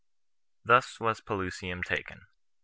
Thus was Pelusium taken.